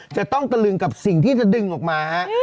จะต้องตระลึงกับสิ่งที่จะดึงออกมา